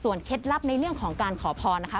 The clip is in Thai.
เคล็ดลับในเรื่องของการขอพรนะคะ